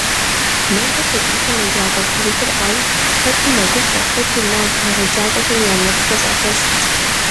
Нобэ сэбийхэм еджапӏэ курытыр къаух - хэти мэгуфӏэ, хэти магъ, егъэджакӏуэхэми я нэпсхэр щӏалъэщӏыкӏ.